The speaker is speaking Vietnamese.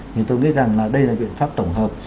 thì tôi nghĩ rằng là đây là biện pháp tổng hợp